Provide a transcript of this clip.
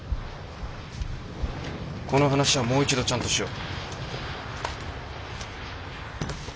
この話はもう一度ちゃんとしよう。